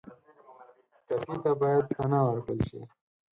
ټپي ته باید پناه ورکړل شي.